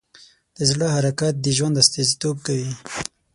د زړه حرکت د ژوند استازیتوب کوي.